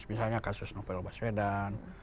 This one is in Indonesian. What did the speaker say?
ya di misalnya kasus snowvel baswedan